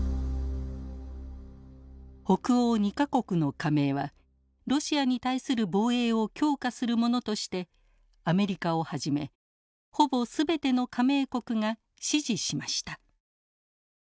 北欧２か国の加盟はロシアに対する防衛を強化するものとしてアメリカをはじめほぼ全ての加盟国が支持しました。